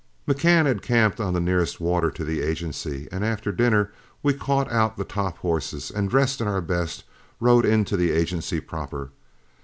McCann had camped on the nearest water to the agency, and after dinner we caught out the top horses, and, dressed in our best, rode into the agency proper.